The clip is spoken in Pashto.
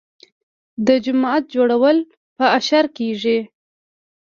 د جومات جوړول په اشر کیږي.